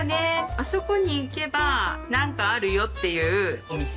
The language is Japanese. あそこに行けばなんかあるよ」っていうお店。